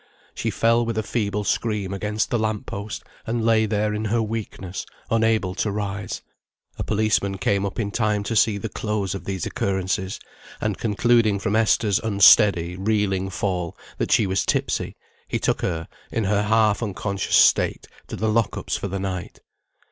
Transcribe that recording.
She fell with a feeble scream against the lamp post, and lay there in her weakness, unable to rise. A policeman came up in time to see the close of these occurrences, and concluding from Esther's unsteady, reeling fall, that she was tipsy, he took her in her half unconscious state to the lock ups for the night.